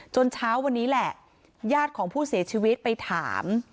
เช้าวันนี้แหละญาติของผู้เสียชีวิตไปถาม